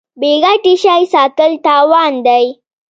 بې ګټې شی ساتل تاوان دی.